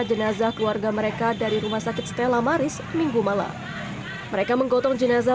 jenazah keluarga mereka dari rumah sakit stella maris minggu malam mereka menggotong jenazah